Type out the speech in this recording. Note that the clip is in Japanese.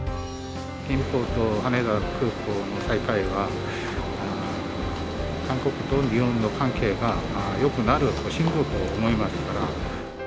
キンポと羽田空港の再開は、韓国と日本の関係がよくなるシンボルと思いますから。